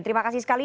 terima kasih sekali